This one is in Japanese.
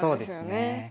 そうですね。